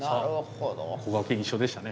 こがけん一緒でしたね。